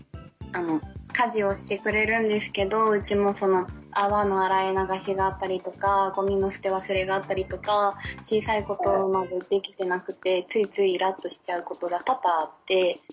家事をしてくれるんですけどうちもその泡の洗い流しがあったりとかごみの捨て忘れがあったりとか小さいことまでできてなくてついついイラッとしちゃうことが多々あって。